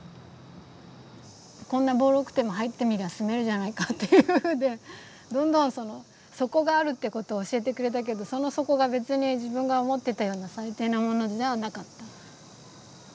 こんなボロくても入ってみりゃ住めるじゃないかっていうんでどんどんその底があるってことを教えてくれたけどその底が別に自分が思ってたような最低なものじゃなかった。